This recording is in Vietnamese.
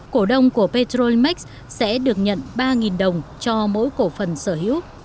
cổ đông của petrolimax sẽ được nhận ba đồng cho mỗi cổ phần sở hữu